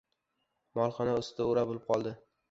Molxona usti o‘ra bo‘lib qoldi.